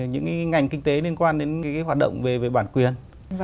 những cái ngành kinh tế liên quan đến cái hoạt động về bản quyền